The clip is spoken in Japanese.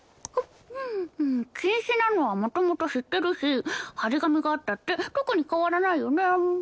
禁止なのは元々知ってるし貼り紙があったって特に変わらないよね。